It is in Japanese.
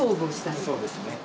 そうですね。